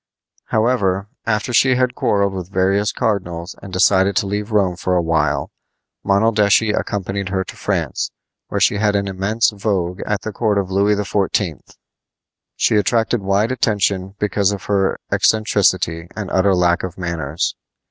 However, after she had quarreled with various cardinals and decided to leave Rome for a while, Monaldeschi accompanied her to France, where she had an immense vogue at the court of Louis XIV. She attracted wide attention because of her eccentricity and utter lack of manners.